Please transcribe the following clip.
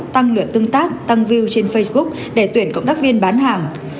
tăng lượng tương tác tăng view trên facebook để tuyển công tác viên bán hàng